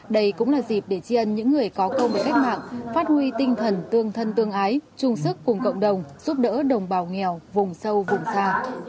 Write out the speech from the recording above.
đây cũng là dịp để tri ân những người có công với cách mạng phát huy tinh thần tương thân tương ái chung sức cùng cộng đồng giúp đỡ đồng bào nghèo vùng sâu vùng xa